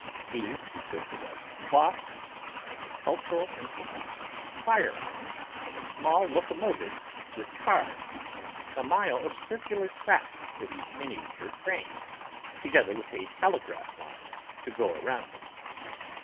These consisted of cloth, agricultural implements, firearms and a small locomotive with cars and a mile of circular track for the miniature train, together with a telegraph line to go around it.